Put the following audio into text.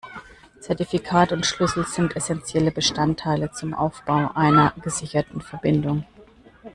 Zertifikat und Schlüssel sind essentielle Bestandteile zum Aufbau einer gesicherten Verbindung.